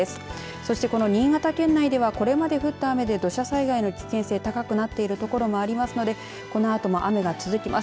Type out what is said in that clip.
そして、この新潟県内ではこれまでに降った雨で土砂災害の危険性が高くなっている所もありますのでこのあとも雨が続きます。